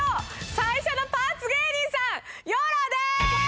最初のパーツ芸人さんヨロです！